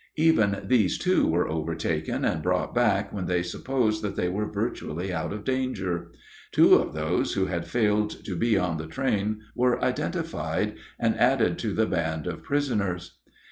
Even these two were overtaken and brought back when they supposed that they were virtually out of danger. Two of those who had failed to be on the train were identified and added to the band of prisoners.